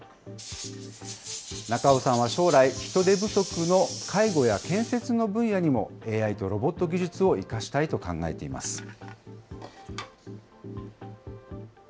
中尾さんは将来、人手不足の介護や建設の分野にもＡＩとロボット技術を生かしたいと考えています。